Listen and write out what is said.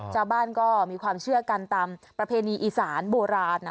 ชาวบ้านก็มีความเชื่อกันตามประเพณีอีสานโบราณนะ